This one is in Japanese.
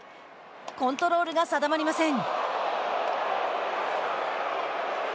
コントロールが定まりません。